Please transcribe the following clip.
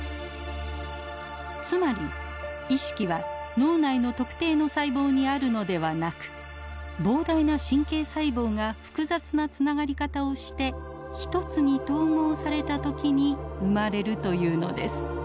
つまり意識は脳内の特定の細胞にあるのではなく膨大な神経細胞が複雑なつながり方をして一つに統合された時に生まれるというのです。